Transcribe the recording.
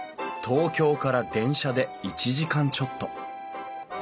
東京から電車で１時間ちょっと。